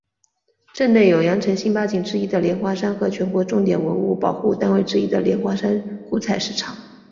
镇内有羊城新八景之一的莲花山和全国重点文物保护单位之一的莲花山古采石场。